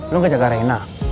lu gak jaga reina